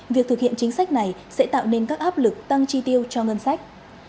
việc thực hiện chính sách này sẽ tạo nên các áp lực tăng chi tiêu cho ngân sách